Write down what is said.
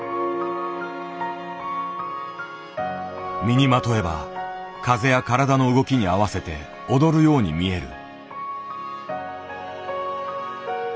身にまとえば風や体の動きに合わせて踊るように見える。